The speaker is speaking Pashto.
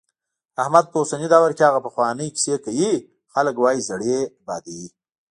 احمد په اوسني دور کې هغه پخوانۍ کیسې کوي، خلک وايي زړې بادوي.